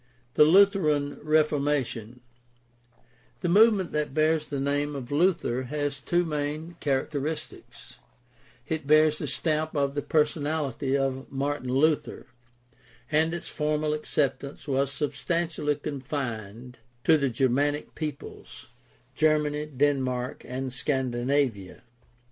THE LUTHERAN REFORMATION The movement that bears the name of Luther has two main characteristics : it bears the stamp of the personality of Martin Luther, and its formal acceptance was substantially confined 364 GUIDE TO STUDY OF CHRISTIAN RELIGION to the Germanic peoples — Germany, Denmark, and Scandi navia.